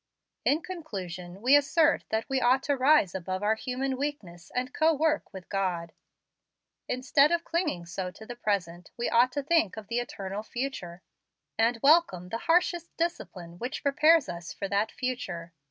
"In conclusion, we assert that we ought to rise above our human weakness and co work with God. Instead of clinging so to the present, we ought to think of the eternal future, and welcome the harshest discipline which prepares us for that future.